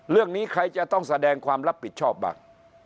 เรื่องนี้ใครจะต้องแสดงความรับผิดชอบบ้าง